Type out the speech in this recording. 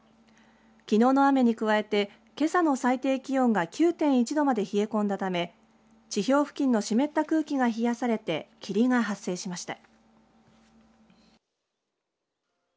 きのうの雨に加えてけさの最低気温が９．１度まで冷え込んだため地表付近の湿った空気が冷やされて霧が発生しました。